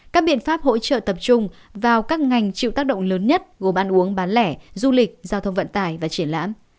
các biện pháp hỗ trợ tập trung vào các ngành chịu tác động lớn nhất gồm ăn uống bán lẻ du lịch giao thông vận tải và triển lãm